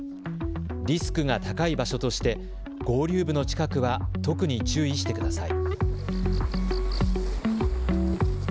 リスクが高い場所として合流部の近くは特に注意してください。